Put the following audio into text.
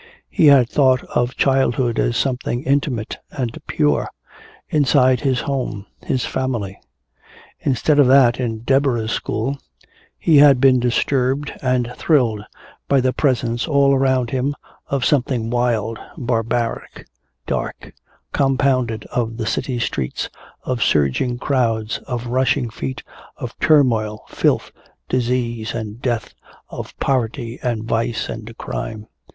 He had thought of childhood as something intimate and pure, inside his home, his family. Instead of that, in Deborah's school he had been disturbed and thrilled by the presence all around him of something wild, barbaric, dark, compounded of the city streets, of surging crowds, of rushing feet, of turmoil, filth, disease and death, of poverty and vice and crime.